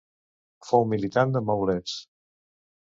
Fou militant de Maulets.